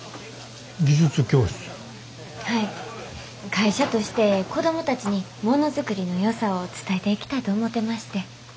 会社として子供たちにものづくりのよさを伝えていきたいと思てまして。